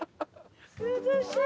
涼しい。